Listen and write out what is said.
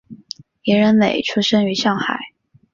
严仁美出生于上海。